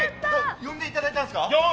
呼んでいただいたんですか？